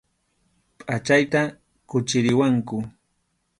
Pʼachayta quchiriwanku.